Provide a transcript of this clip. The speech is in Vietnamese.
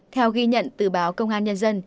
theo ghi nhận từ báo công an nhân dân